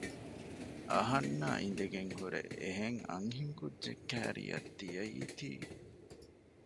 އަހަންނާ އިނދެގެންހުރެ އެހެން އަންހެން ކުއްޖެއް ކައިރިއަށް ދިޔައީތީ